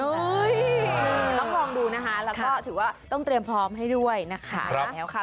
ต้องลองดูนะคะแล้วก็ถือว่าต้องเตรียมพร้อมให้ด้วยนะคะ